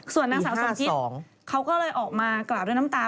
ส่วนนางสาวสมคิตเขาก็เลยออกมากราบด้วยน้ำตา